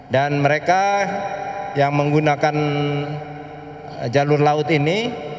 dan mereka yang menggunakan jalur laut ini